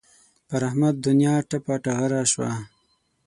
پر احمد دونیا ټپه ټغره شوه.